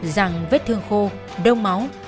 rằng vết thương khô đau máu